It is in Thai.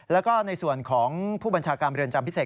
แล้วก็ในส่วนของผู้บัญชาการเรือนจำพิเศษ